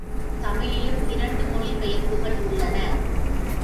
தமிழிலும் இரண்டு மொழி பெயர்ப்புகள் உள்ளன.